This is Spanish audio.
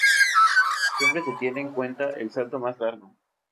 Siempre se tiene en cuenta el salto más largo.